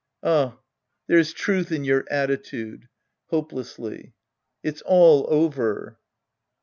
Ah, there's truth in your attitude. {Hopelessly^ It's all over